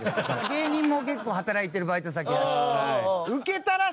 芸人も結構働いてるバイト先らしく。